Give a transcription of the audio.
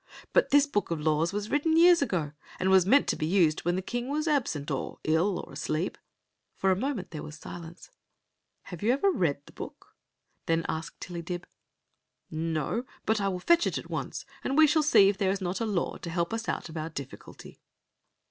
"But this book of laws was written years ago, and was meant to be used > when the king was absent, or ill, or asleep." For a moment there was silence. "Have you ever read the book?" then asked Tillydib. "No; but I will fetch it at once, and we shall see if there is not a law to help us out of our difficulty."